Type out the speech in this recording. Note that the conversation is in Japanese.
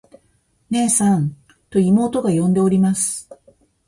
「ねえさん。」と妹が呼んでおります。